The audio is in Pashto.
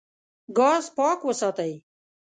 ګاز پاک وساتئ.